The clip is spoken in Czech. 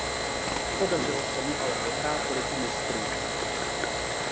Podařilo se mu ale vyhrát Ligu mistrů.